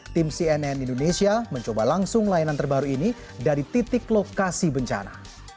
tim cnn indonesia mencoba langsung layanan terbaru ini dari titik lokasi bencana